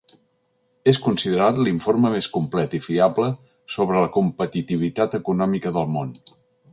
És considerat l’informe més complet i fiable sobre la competitivitat econòmica del món.